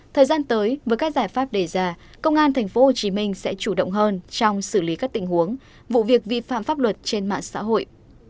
thời gian tới với các giải pháp đề ra công an tp hcm sẽ chủ động hơn trong xử lý các tình huống vụ việc vi phạm pháp luật trên mạng xã hội